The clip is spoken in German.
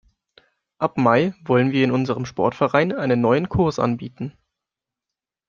Ab Mai wollen wir in unserem Sportverein einen neuen Kurs anbieten.